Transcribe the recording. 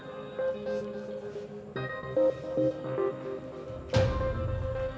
karena mas ardi selalu aja ngawasin dia